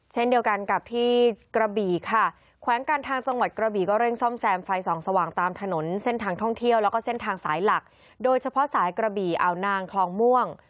เช่นเดียวกันกับที่กระบี่ค่ะแขวงการทางจังหวัดกระบี่ก็เร่งซ่อมแซมไฟส่องสว่างตามถนนเส้นทางท่องเที่ยวแล้วก็เส้นทางสายหลักโดยเฉพาะสายกระบี่อาวนางคลองม่วง